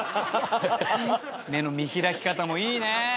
目の見開き方もいいね。